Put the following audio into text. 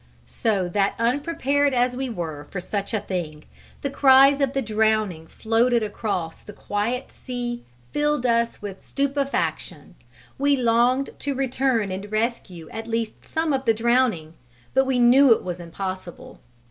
So that unprepared as we were for such a thing, the cries of the drowning floating across the quiet sea filled us with stupefaction: we longed to return and rescue at least some of the drowning, but we knew it was impossible.